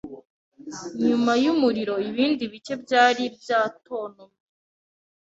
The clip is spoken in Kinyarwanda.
Nyuma yumuriro ibindi bike byari byatontomye